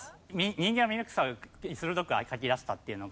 「人間の醜さを鋭く描き出した」っていうのが。